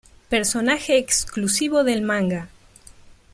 Personaje exclusivo del manga.